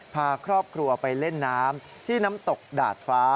พาครอบครัวไปเล่นน้ำที่น้ำตกดาดฟ้า